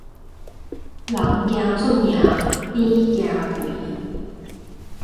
人驚出名，豬驚肥